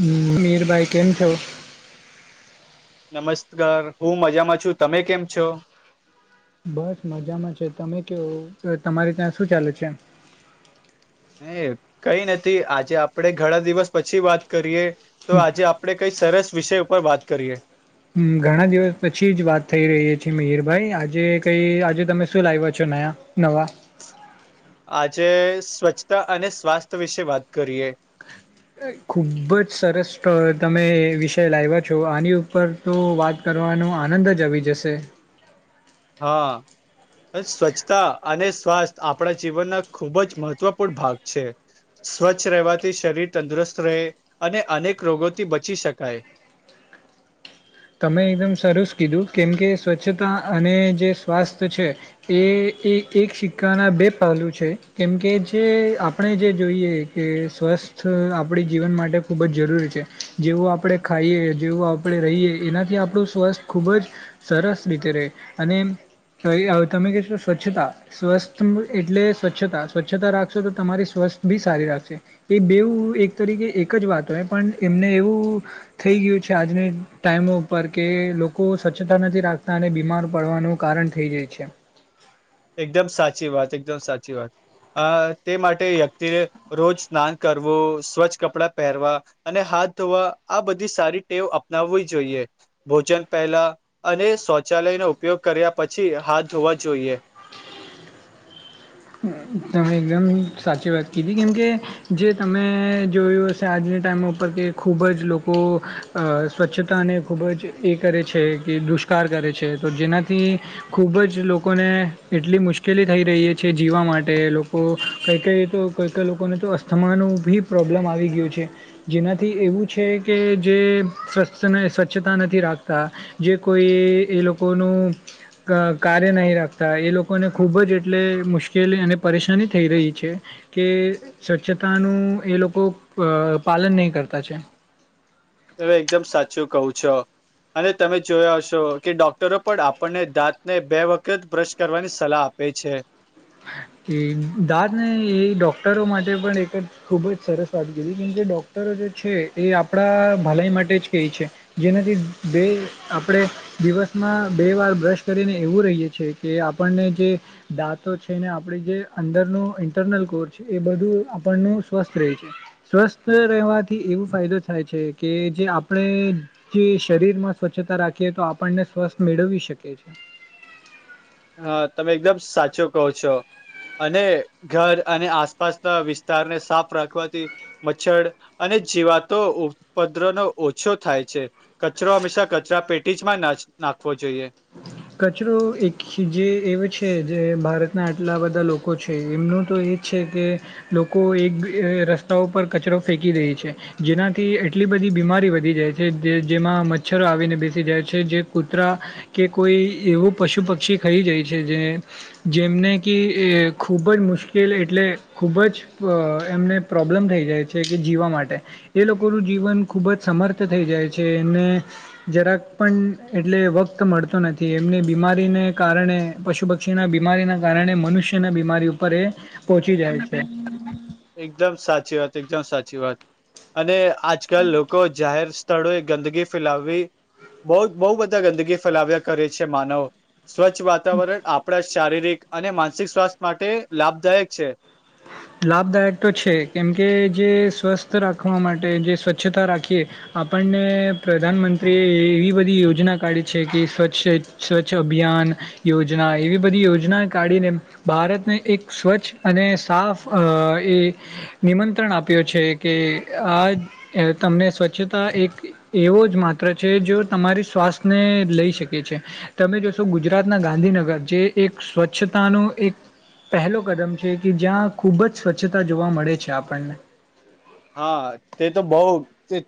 હ મીરભાઈ કેમ છયો નમસ્કાર હું મજામાં છું તમે કેમ છો બસ મજામાં છે તમે કેવ તમારે ત્યાં શું ચાલે છે હ કઈ નથી આજે આપડે ઘણા દિવસ પછી વાત કરીએ તો આજે આપડે કઈ સરસ વિષય ઉપર વાત કરીએ હ ઘણા દિવસ પછી જ વાત થઈ રહી છી મિહરભાઈ આજે કઈ આજે તમે શું લાવ્યા છો ન નવા આજે સ્વચ્છતા અને સ્વાસ્થ્ય વિશે વાત કરીએ ખુબ જ સરસ તમે વિષય લાવ્યા છો આની ઉપર તો વાત કર જો ન આનંદ જ આવી જશે હા સ્વચ્છતા અને સ્વાસ્થ્ય આપણા જીવનના ખૂબ જ મહત્વપૂર્ણ ભાગ છે સ્વચ્છ રહેવાથી શરીર તંદુરસ્ત રહે અને અનેક રોગોથી બચી શકાય [inaudible] તમે એકદમ સરસ કીધું કેમ કે સ્વચ્છતા અને જે સ્વાસ્થ્ય છે એ એ એક સિક્કાના બે પહેલું છે કેમ કે જે આપણે જે જોઈએ કે સ્વ બસ્ આપડી જીવન માટે ખૂબ જ જરૂરી છે જેવું આપણેે ખાઈએ જેવું આપણે રહીએ એનાથી આપણું સ્વાસ્થ ખૂબ જ સરસ રીતે રહે અને તો તમે કશો સ્વચ્છતા સ્વસ્થ એટલે સ્વચ્છતા સ્વચ્છતા રાખશો તો તમારી સ્વ સારીખ એ બેવ એક તરીકે એક જ વાતો પણ એમને એવું થ ગયું ું છે આજ મે ટાઈમો ઉપર કે લોકો સ્વચ્છતા નથી રાખતા અને બીમાર પડવાનું કારણ થઈ જાય છે એકદમ સાચી વાત એકદમ સાચી વાત અ તે માટે વ્યક્તિરે રોજ સ્નાન કરવું સ્વચ્છ કપડાં પહેરવા અનેા આ બધી સારી ટેવ અપનાવવી જોઈએ ભોજન પહેલા અને શૌચ લયને ઉપયોગ કર્યા પછી હાથ ધોવા જોઈએ તમે એકદમ સાચી વાત કીધી કેમકે જે તમે જોયું હશે આજે ટાઈમો ઉપર કે ખૂબ જ લોકો સ્વચ્છતા અને ખૂબ જ એ કરે છે કે પુષ્કાર કરે છે તો જેનાથી ખૂબ જ લોકોને એટલી મુશ્કેલી થઈ રહી છે છે જીવવા માટે લોકો કઈ કઈ તો કઈ કઈ લોકોને તો અસ્થમાનું બી પ્રોબ્લમ આવી ગયયો છે જેનાથી એવું છે કે જે સ્વ્છતા નથી રાખતા કોઈ એ લોકો ન કાર્ય નહી રાખતા એ લોકોને ખુબ જ એટલે મુશ્કેલી અને પરેશાની થઈ રહી છે કે સ્વચ્છતાનું એ લોકો પાલન નહીં કરતા છે હ એકદમ સાચું કહું છો અને તમે જોયા છો કે ડોક્ટરો પણ આપણને દાંતને બે વખત બ્રશ કરવાની સલાહ આપે પે છે હ કે દાદ ને એ ડોક્ટરો માટે પણ એક જ ખુબ જ સરસ વાત કરીીધ કેમ કે ડોક્ટરો એ આપણા ભલાઈ માટે જ ક છે જેનાથી બે આપણે દિવસ બે વાર બ્રશ કરીને એવું રહીએ છે કે આપણને જે દાંતો છે થને આપણે જે અંદરનું ઇન્ટરનલ કોર છે એ બધું આપણનું સ્વસ્થ રહે છે સ્વસ્થ રહેવાથી એવું ફાયદો થાય છે કે જે આપણે જે શરીરમાં સ્વચ્છતા રાખીએ આપણને સ્વસ્થ મેળવી શકે છે હા તમે એકદમ સાચો કો છો અને ઘર અને આસપાસના વિસ્તારને સાફ રાખવાથી મચ્છર અને જીવાતો ઉપત્પદ્ર નો ઓછો થાય છે કચરો હંમેશા કચરા પેટીમાં નાખ જોઈએ. કચરો એક જે એવ છે જે ભારતના આટલા બધા લોકો છે એમનું તો એ જ છે કે લોકો એક રસ્તા પરર કચરો ફેંકી રહી છે જેનાથી એટલી બધી બીમારી વધી જાય છે જેમાં મચ્છરો આવીને બેસી જાય છે જે કૂતરા કે કોઈ એવું પશુ પક્ષી ખાઈ જાય છે જે જેમને કે ખૂબ જ મુશ્કેલ એટલે ખૂબ જ એમને પ્રોબ્લેમ થઈ જાય છે કે જીવવા માટે એ લોકો ું જીવન ખૂબ જ સમર્થ થઈ જાય છે અને જરાક પણ એટલે વત મળતો નથી એમની બીમારીને કારણે પશુ પક્ષીના બીમારીના કારણે મનુષ્યના બીમારીર ઉપર એ પહોંચી જાય છે એકદમ સાચી વાત એકદમ સાચી વાત અને આજકાલ લોકો જાહેર સ્થળોએ ગંદગી ફેલાવવી બહ બહુ બધા ગંદગી ફેલાવ્યા કરે છે માનવ સ્વચ્છ વાતાવરણ આપણા શારીરિક અને માનસિક સ્વાસ્થ્ય માટે લાભદાયક છે લાભદાયક તો છે કેમકે જે સ્વસ્થ રાખવા માટે જે સ્વચ્છતા રાખીએ આપણને પ્રધાનમંત્રીએ એવી બધી યોજના કાઢી છે કે સ્વચ્છ સ્વચ્છ અભિયાન યોજના એવી બધી યોજના કાઢીને ભારતને એક સ્વચ્છ અને સાફ અ એ નિમંત્રણ આપ્યો છે કે આ તમને સ્વચ્છતા એક એવો જ માત્ર છે જો તમારી શવાસ્થ્યને લઈ શકે છે તમે જોશો ગુ ગુજરાતના ગાંધીનગર જે એક સ્વચ્છતાનો એક પહેલો કદમ છે કે જ્યાં ખૂબ જ સ્વચ્છતા જોવા મળે છે આપણને હા તે તો બહ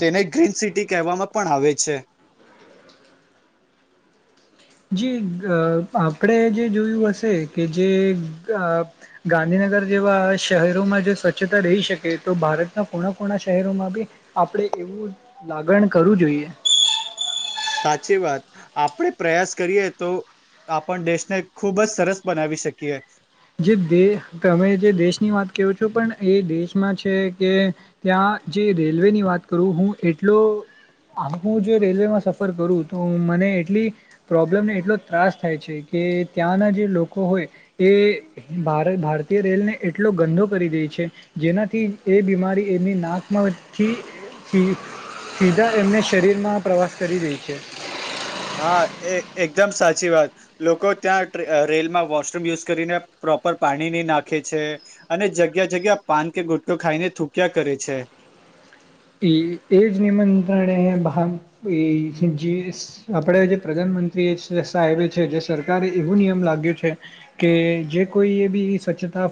તેને ગ્રીન સિટી કહેવામાં પણ આવે છે [inaudible] જી આપણે જે જોયું હશે કે જે ગને ગંધનગર જેવા શહેરોમાં જો સ્વચ્છતા રહી શકે તો ભારતના કોણા કોણા શહેરોમાં બી આપણે એવું લાગણ કરવું જોઈએ સાચી વાત આપડણે પ્રયાસ કરીએ તો આપણ દેશને ખુબ જ સરસ બનાવી શકીએ જે દ તમે જે દેશની વાત કરો છો પણ એ દેશમાં છે કે ત્યાં જે રેલવેની વાત કરું હું એટલો હું જો રેલવેમાં સફર કરું તો મને એટલી પ્રોબ્લેમ ને એટલો ત્રાસ થાય છે કે કે ત્યાંના જે લોકો હોય એ ાર ભારતીય રેલ ને એટલો ગંદો કરી દે છે જેનાથી એ બીમારી એમની નાક મળચીી સીધા એમને શરીરમાં પ્રવાસ કરી દે છે હા એ એકદમ સાચી વાત લોકો ત્યાં રેલમાં વોશરૂમ યુઝ કરીને પ્રોપર પાણી નહી નાખે છે અને જગ્યા જગ્યા પાન કે ગુટકોો ખાઈને થૂક્યા કરે છે [inaudible] એ એ જ નિમંત્રણે આપણે જે પ્રમ મંત્રી છે જે સરકારે એવું નિયમ લાગ્યું છે કે જે કોઈ એ બી સ્વચ્છતા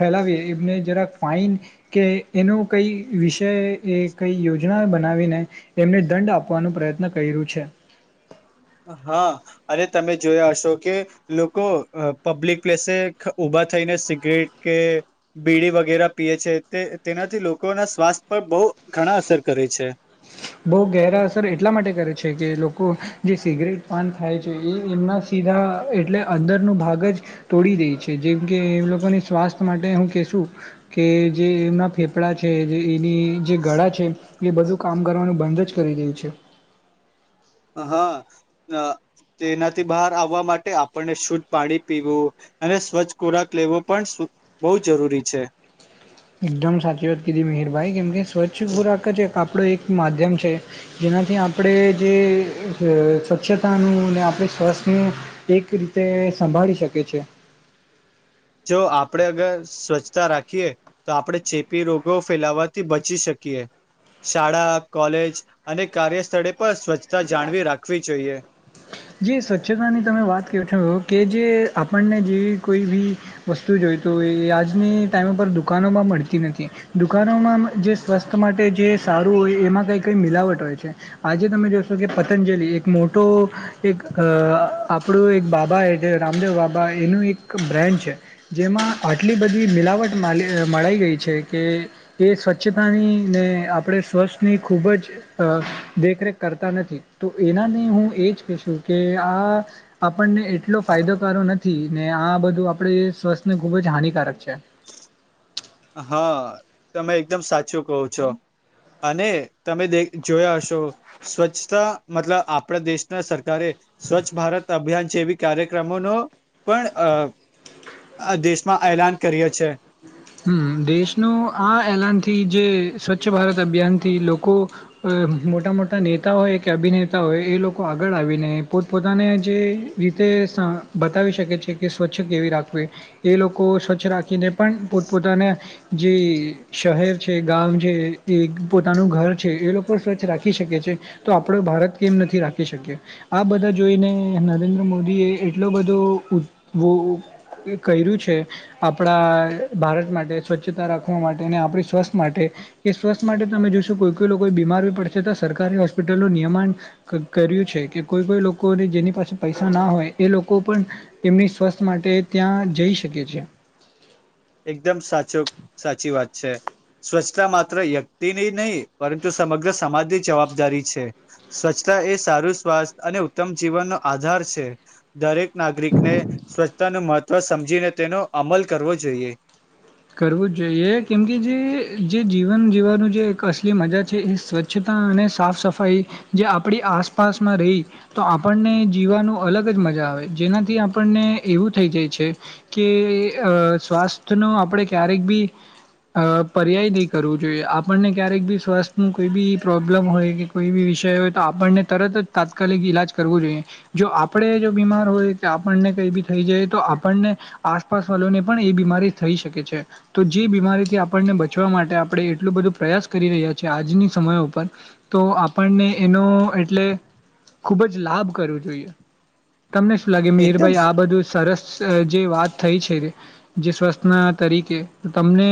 ફેલાવી એમને જરાક ફાઈન કે એનો કઈ વિષય એ કઈ યોજના બનાવીને એમને દંડ આપવાનો પ્રયત્ન કર્યું છે હા અને તમે જોયા હશો કે લોકો પબ્લિક પ્લેસે ઉભા થઈને સિગરેટ કે બીડી વગેરે પીએ છે તેનાથી લોકોના સ્વાસ્થ પર બ તો ઘણા અસર કરે છે બો ગેહરા અસર એટલા માટે કરે છે કે લોકો જે સિગરેટ પાન ખાય છે એ એમનાં સી એટલે અંદરનું ભાગ જ તોડી દેય છે જેમ કે, એ લોકોની સ્વાસ્થ્ય માટે હું કેશું કે જે એમના ફેફડા છે, જે એની જે ગળા છે એ બધું કામ કરવાનું બંધ જ કરી દેય છે. હા, તેનાથી બહાર આવવા માટે આપણને શુદ્ધ પાણી પીવું અને સ્વચ્છ ખોરાક લેવો પણ બહુ જરૂરી છે. એકદમ સાચી વાત કીધી મિહરભાઈ, કેમ કે સ્વચ્છ ખોરાક જ આપરો એક માધ્યમ છે જેનાથી આપડે જે સ્વચ્છતાનું અને આ આપણે સ્વાસ્થ્યને એક રીતે સંભાળી શકે છે. જો આપણેે અગર સ્વચ્છતા રાખીએ તો આપણે ચેપી રોગો ફેલાવાથી બચી શક શાળા, કોલેજ અને કાર્ય સ્થળે પણ સ્વચ્છ જાળવી રાખવી જોઈએ. જે સ્વચ્છતાની તમે વાત કેવછો કે જે આપણને જેવી કોઈબી વસ્તુ જોઈ નેતોએ આજની ટાઈમો પર દુકાનોમાં મળતી નથી દુકાનોમાં જે સ્વાસ્થ માટે જે સારું હોય એમાં કઈ કઈ મિલાવટ હોય છે આજે તમે જોશો કે પતંજલિ એક મોટો એક અ આપરુ એક બાબા એજે રામદેવ બાબા એનું એક બ્રેન્ડ છે જેમાં આટલી બધી મિલાવટ મળાઈ ગઈ છેકે એ સ્વચ્છતાની ને આપરે સ્વાસ્થની ખૂબ જ દેખરેખ કરતા નથી તો એનાને હું એજ કે કે આ આપણને એટલો ફાયદોકારો નથી ને આ બધું આપરે સ્વાસ્થને ખૂબ જ હાનિકારક છે. હા, તમે એકદમ સાચું કહો છો. અને તમે જોયા હશો સ્વચ્છતા મતલબ આપણાં દેશના સરકારે સ્વચ્છ ભારત અભિયાન છે એવી કાર્યક્રમોનો પણ અ આ દેશમાં એલાન કર્યો છે. હમ, દેશનું આ એલાનથી જે સ્વચ્છ ભારત અભિયાનથી લોકો અ મોટા મોટા નેતા હોય કે અભિનેતા હોય એ લોકો આગળ આવીને પોત પોતાને જે રીતે બતાવી શકે છે કે સ્વચ્છ કેવી રાખવી એ લોકો સ્વચ્છ રાખીને પણ પોતાને જે શહેર છે, ગામ છે, એ પોતાનું ઘર છે એ લોકો રાખી શકે છે તો આપડો ભારત કેમ નથી રાખી શકયે આ બધાં જોઈને નરેન્દ્ર મો એ એટલો બધો કયરું છે આપરા ભારત માટે, સ્વચ્છતા રાખવા માટે અને આપરી સ્વસ્થ માટે એ સ્વસ્થ માટે તમે જોશો કોઈ કોઈ લોકો બીમ મારવી પડશે તો સરકારી હોસ્પિટલનું નિયમાણ કર્યું છે કે કોઈ કોઈ લોકોને જેની પાસે પૈસા ના હોય એ લોકો પણ એમની સ્વસ્થ માટે ત્યાં જઈ શકે છે. એકદમ સાચો, સાચી વાત છે. સ્વચ્છતા માત્ર વ્યક્તિની નય પરંતુ સમગ્ર સમાજની જવાબદારી છે સ્વચ્છ એ સારું સ્વાસ્થ અને ઉત્તમ જીવનનો આધાર છે દરેક નાગરિકને સ્વચ્છતા અને મહત્વ સમજીને તેનો અમલ કરવો જોઈએ. કરવું જ જોઈએ કેમ કે જે જે જીવન જીવવાનું જે એક અસલી મજા છે એ સ્વચ્છતા અને સાફ સફાઈ જે આપડી આસપાસમાં રેય તો આપણને જીવાનું અલગજ મ જા આવે જેનાથી આપણને એવું થઈ જાય છે કે અ સ્વાસ્થનો આપડે ક્યારેક બી. અ પર્યાયની કરવું જોઈએ આપણને ક્યારેક બી સ્વાસ્થનું કોઈ બી પ્રોબ્લમ હોય કે કોઈ બી વિષય હોય તો આપણને તરત જ તાત્કાલિક ઈલાજ કરવું જોઈએ જો આપરે જો બીમાર હોય તો આપણને કઈ બી થઈ જાય તો આપણને આસપાસ વાલોને પણ એ બીમારી થઈ શકે છે. તો જે બીમારીથી આપણને બચવા માટે આપરે એટલું બધું પ્રયાસ કરી રહ્યા છીએ આજની સમય ઉપર તો આપણને એનો એટલે ખૂબ જ લાભ કરવો જોઈએ. તમને શું લાગે એકદમ મિહીરભાઈ આ બધું સરસ જે વાત થઈ છે જે સ્વસ્થનાં તરી તમને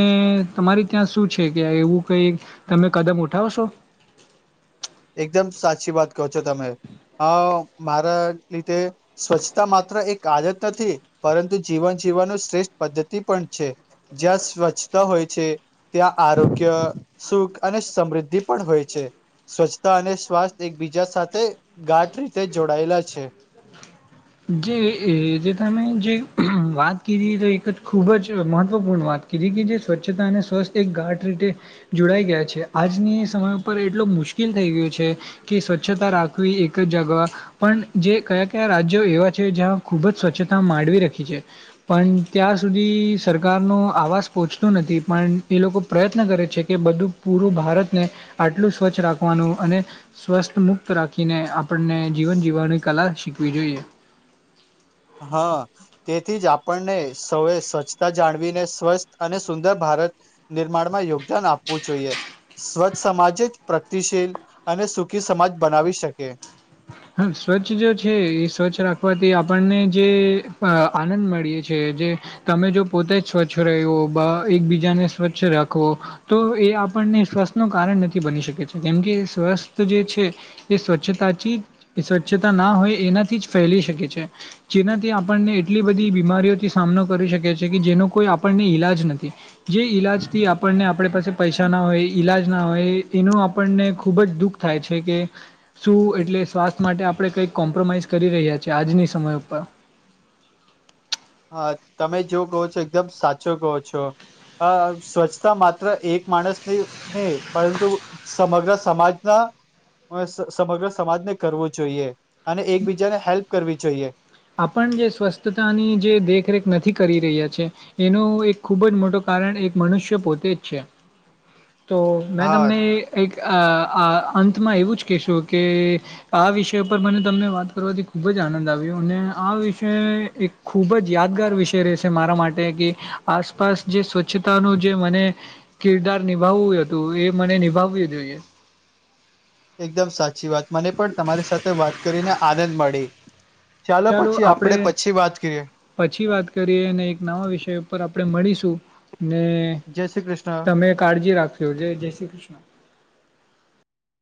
તમારી ત્યાં શું છે કે એવું કઈ તમે કદમ ઉઠાવશો? [inaudible] એકદમ સાચી વાત કહો છો તમે હ મારા લીધે સ્વચ્છતા માત્ર એક આદત નથી પરંતુ જીવન જીવાનો શ્રેષ્ઠ પદ્ધતિ પણ છે જ્યાં સ્વચ્છતા હોય છે ત્યાં આરોગ્ય સુખ અને સમૃદ્ધિ પણ હોય છે સ્વચ્છતા અને સ્વાસ્થ્ય એકબીજા સાથે ગાઢ રીતે જોડાયેલા છે જે જે તમે જે વાત કરી તો એક જ ખુબ જ મહત્વપૂર્ણ વાત જે સ્વચ્છતા અને સ્વસ્થ એક ગાટ રીતે જોડાઈ ગયા છે આજની સમય ઉપ એટલો મુશ્કેલ થઈ ગયું છે કે સ્વચ્છતા રાખવી એક જ જગા પણ જે કયા કયા રાજ્ય એવા છે જ્યાં ખૂબ જ સ્વચ્છતા માંડવી રાખી છે પણ ત્યાં સુધી સરકારનો આવાસ પહોંચતું નથી પણ એ લોકો પ્રયત્ન કરે છે કે બધું પૂરું ભારતને આટલું સ્વચ્છ સ્ રાખવાનું અને સ્વસ્થ મુક્ત રાખીને આપણને જીવન જીવવાની કલા શીખવી જોઈએ હા તેથી જ આપણને સૌએ સ્વચ્છતા જાણવીને સ્વસ્થ અને સુંદર ભારત ભાર નિર્માણમાં યોગદાન આપવું જોઈએ સ્વચ્છ સમાજ જ પ્રગતિશીલ અને સુખી સમાજ બનાવી શકે હા સ્વચ્છ જો છે એ સ્વચ્છ રાખવાથી આપણને જે આનંદ મળીએ છે તમે જો પોતા જ સ્વચ્છ ર એકબીજાને સ્વચ્છ રાખવો તો એ ને સ્વસ્થ નું કારણ નથી બની શકે છે કેમ કે સ્વસ્થ જે છે એ સ્વચ્છતાથી સ્વચ્છતા ના હોય એનાથી જ ફેલી શકે છે જેનાથી આપણને એટલી બધી બીમારીઓથી સા કરી શકે છે કે જેનો કોઈ આપણને ઈલાજ નથી જે ઈલાજ થી આપણને આપણે પાસે પૈસા ના હોય ઈલાજ ના હોય એનું આપણને ખૂબ જ દુઃખ થાય છે કે શું એટલે સ્વાસ્થ્ય માટે આપણે કંઈક કોમ્પ્રોમાઈઝ કરી રહ્યાીએ આજની સમય ઉપર હા તમે જો કહો છો એકદમ સાચો કહો છો અ સ્વચ્છતા માત્ર એક માણસની નહી પરંતુ સમગ્ર સમાજના સમગ્ર સમાજને કરવું જોઈએ અને એકબીજાને હેલ્પ કરવી જોઈએ આપણ જે સ્વસ્થતાની જે દેખરેખ નથી કરી રહ્યા છે એનો એક ખૂબ જ મોટો ક એક મનુષ્ય પોતે જ છે તો મેં હા તમને એક અ અંતમાં એવું જ કહેશો કે આ વિષય પર મને તમને વાત કરવાથી ખૂબ જ જાણી અને આ વિષય એક ખૂબ જ યાદગાર વિષય રહેશે મારા માટે કે આસપાસ જે સ્વચ્છતા ન જે મને કિરદાર નિભાવવું હતું એ મને નિભાવવું જોઈએ એકદમ સાચી વાત મને પણ તમારી સાથે વાત કરીને આનંદ મળી ચાલો પછી આપડે આપણે પછી વાત કરીએ પછી વાત કરીએ અને એક નવા વિષય ઉપર આપડે મળીશુ ને જય શ્રી કૃષ્ણ તમે કાળજી રાખશો, જય શ્રી કૃષ્ણ